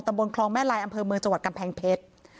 บนคลองแม่ลายอำเภอเมืองจังหวัดกำแพงเพชร